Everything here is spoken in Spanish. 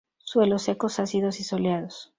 Suelos secos, ácidos y soleados.